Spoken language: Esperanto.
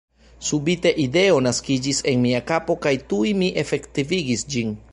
Subite ideo naskiĝis en mia kapo kaj tuj mi efektivigis ĝin.